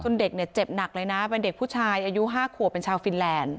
เด็กเนี่ยเจ็บหนักเลยนะเป็นเด็กผู้ชายอายุ๕ขวบเป็นชาวฟินแลนด์